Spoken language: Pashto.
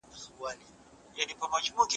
موږ به په صادراتو کي زیاتوالی راولو.